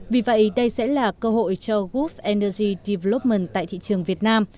vì vậy đây sẽ là cơ hội cho goof energy development tại thị trường việt nam